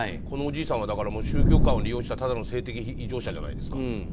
このおじいさんは宗教観を利用したただの性的な異常者じゃないですか。